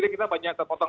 kita banyak terpotong